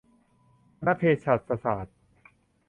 คณะเภสัชศาสตร์